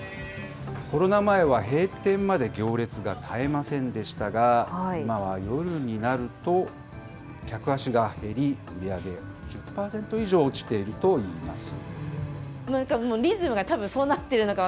コロナ前は閉店まで行列が絶えませんでしたが、今は夜になると客足が減り、売り上げ１０％以上、落ちているといいます。